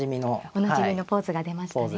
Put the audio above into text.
おなじみのポーズが出ましたね。